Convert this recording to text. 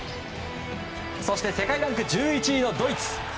そして世界ランク１１位のドイツ。